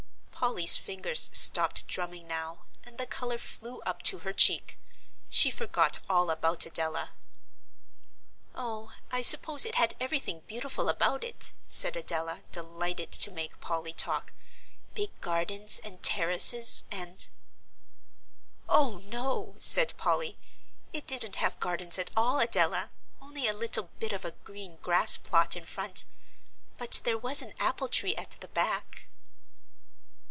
Polly's fingers stopped drumming now, and the colour flew up to her cheek; she forgot all about Adela. "Oh, I suppose it had everything beautiful about it," said Adela, delighted to make Polly talk, "big gardens, and terraces, and " "Oh, no," said Polly, "it didn't have gardens at all, Adela, only a little bit of a green grass plot in front. But there was an apple tree at the back."